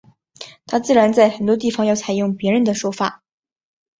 他自然在很多地方要采用别人的说法。